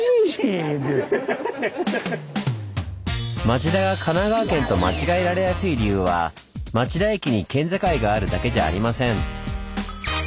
町田が神奈川県と間違えられやすい理由は町田駅に県境があるだけじゃありません。